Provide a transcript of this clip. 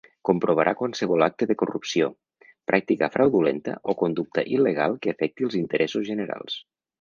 Comprovarà qualsevol acte de corrupció, pràctica fraudulenta o conducta il·legal que afecti els interessos generals.